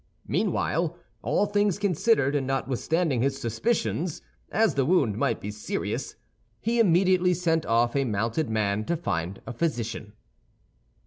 Meanwhile, all things considered and notwithstanding his suspicions, as the wound might be serious, he immediately sent off a mounted man to find a physician.